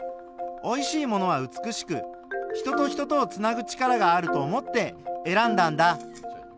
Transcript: おいしいものは美しく人と人とをつなぐ力があると思って選んだんだ。